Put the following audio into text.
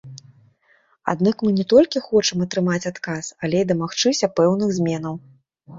Аднак мы не толькі хочам атрымаць адказ, але і дамагчыся пэўных зменаў.